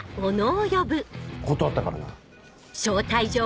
断ったからな。